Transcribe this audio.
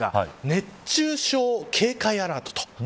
熱中症警戒アラートと。